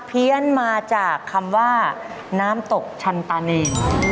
ี้ยนมาจากคำว่าน้ำตกชันตาเนร